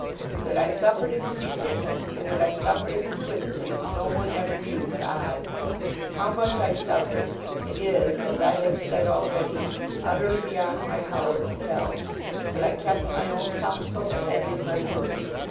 That I suffered in secret, and that I suffered exquisitely, no one ever knew but I. How much I suffered, it is, as I have said already, utterly beyond my power to tell. But I kept my own counsel, and I did my work.